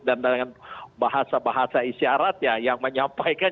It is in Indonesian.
dan dengan bahasa bahasa isyarat yang menyampaikan